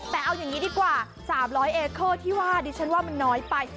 แต่เอาอย่างนี้ดีกว่า๓๐๐เอเคิลที่ว่าดิฉันว่ามันน้อยไป